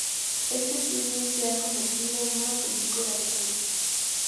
Este filme se ha convertido en una película de culto.